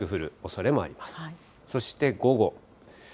そして午後。